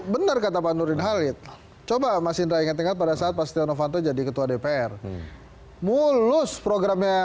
benar kata pak nurin halid coba masih ingat pada saat pasti novanto jadi ketua dpr mulus programnya